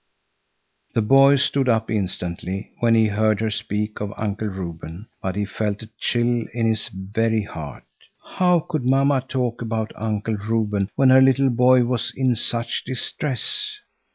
The boy stood up instantly when he heard her speak of Uncle Reuben, but he felt a chill in his very heart. How could mamma talk about Uncle Reuben when her little boy was in such distress!